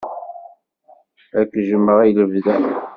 Ad k-jjmeɣ i lebda.